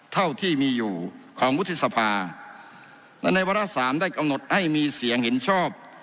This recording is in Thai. เท่าที่มีอยู่ของวุฒิสภาและในวาระสามได้กำหนดให้มีเสียงเห็นชอบ